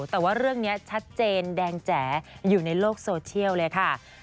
แต่ว่าเรื่องนี้ชัดเจนแดงแจ๋อยู่ในโลกโซเชียลเลยค่ะ